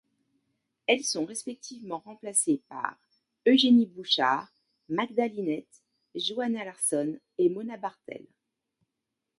Elles sont respectivement remplacées par Eugenie Bouchard, Magda Linette, Johanna Larsson et Mona Barthel.